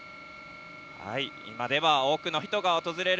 今では多くの人が訪れる